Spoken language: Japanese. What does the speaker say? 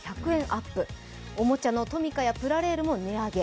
アップおもちゃのトミカやプラレールも値上げ。